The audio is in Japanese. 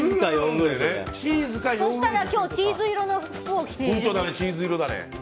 そしたら今日チーズ色の服着てる。